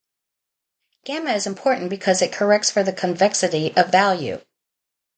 Gamma is important because it corrects for the convexity of value.